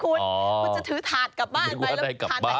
คุณจะถือถาดกลับบ้านไป